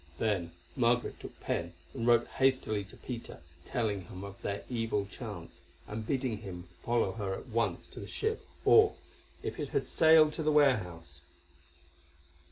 Then Margaret took pen and wrote hastily to Peter, telling him of their evil chance, and bidding him follow her at once to the ship, or, if it had sailed to the warehouse.